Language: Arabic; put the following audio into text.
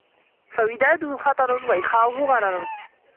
فَوِدَادُهُ خَطَرٌ وَإِخَاؤُهُ غَرَرٌ